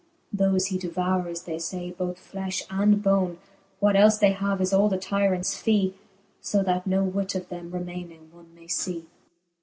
Thole he devoures, they fay, both flejPi and bone : What elfe they have, is all the tyrants fee ; So that no whit of them remayning one may fee.